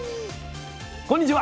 こんにちは。